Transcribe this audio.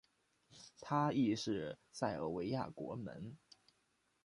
他亦是塞尔维亚国门。